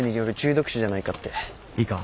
いいか？